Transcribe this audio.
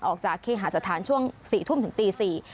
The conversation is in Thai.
ออกจากเขหาสถานช่วง๔ทุ่มถึงตี๔